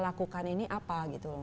lakukan ini apa